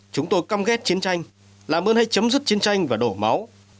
chúng tôi căm ghét chiến tranh làm ơn hãy chấm dứt chiến tranh và đổ máu